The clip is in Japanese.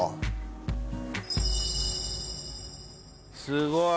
すごい！